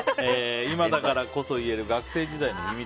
今だからこそ言える学生時代の秘密！